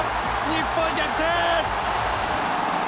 日本逆転！